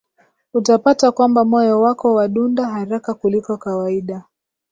utapata kwamba moyo wako wadunda haraka kuliko kawaida